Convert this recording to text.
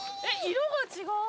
色が違う。